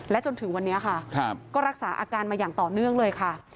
จนถึงวันนี้ค่ะก็รักษาอาการมาอย่างต่อเนื่องเลยค่ะ